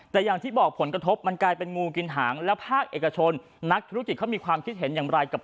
แต่อย่างที่บอกผลกระทบมันกลายเป็นงูกินหางแล้วภาคเอกชนนักธุรกิจเขามีความคิดเห็นอย่างไรกับ